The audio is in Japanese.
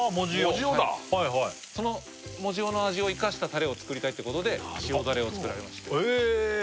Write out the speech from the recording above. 藻塩はいはいその藻塩の味を生かしたタレを作りたいってことで塩ダレを作られましたへえ！